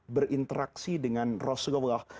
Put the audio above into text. berinteraksi dengan rasulullah